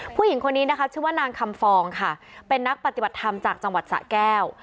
ผู้หญิงคนนี้นะคะชื่อว่านางคำฟองค่ะเป็นนักปฏิบัติธรรมจากจังหวัดสะแก้ว